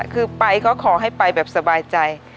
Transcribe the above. คือไปก็ขอให้ไปแบบสบายใจ